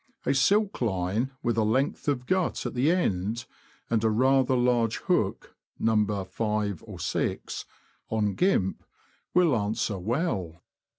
A silk line, with a length of gut at the end, and a rather large hook (No. 5 or 6), on gimp, will answer well.